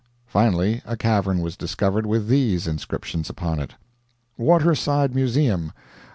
Finally a cavern was discovered with these inscriptions upon it: WATERSIDE MUSEUM.